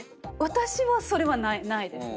私はそれはないですね。